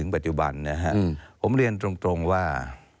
ผมเรียนตรงว่า